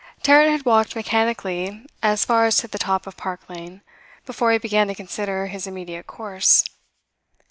Tarrant had walked mechanically as far as to the top of Park Lane before he began to consider his immediate course.